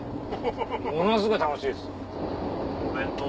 ものすごい楽しいです。